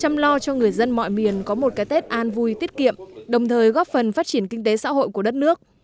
chăm lo cho người dân mọi miền có một cái tết an vui tiết kiệm đồng thời góp phần phát triển kinh tế xã hội của đất nước